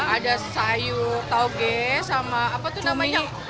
ada sayur tauge sama apa tuh namanya